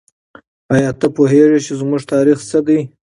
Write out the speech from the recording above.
آیا ته پوهېږې چې زموږ تاریخ څه دی؟